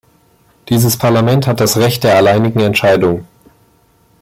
Dieses Parlament hat das Recht der alleinigen Entscheidung.